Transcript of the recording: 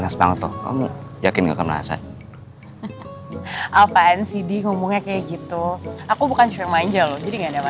sampai jumpa di video selanjutnya